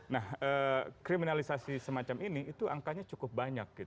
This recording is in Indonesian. nah kriminalisasi semacam ini itu angkanya cukup banyak